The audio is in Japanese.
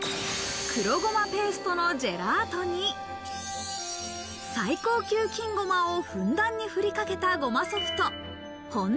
黒ゴマペーストのジェラートに最高級金ごまをふんだんにふりかけたごまソフト。